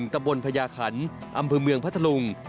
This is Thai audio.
ตะบนพญาขันอำเภอเมืองพัทธลุง